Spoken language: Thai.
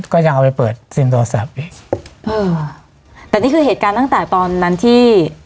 ก็ยังเอาไปเปิดซิมโทรศัพท์เออแต่นี่คือเหตุการณ์ตั้งแต่ตอนนั้นที่